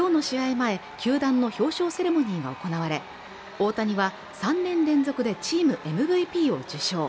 前、球団の表彰セレモニーが行われ、大谷は、３年連続でチームＭＶＰを受賞。